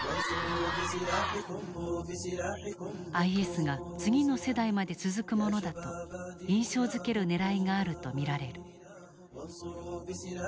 ＩＳが次の世代まで続くものだと印象づけるねらいがあると見られる。